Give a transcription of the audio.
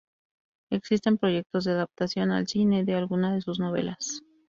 Existen proyectos de adaptación al cine de alguna de sus novelas.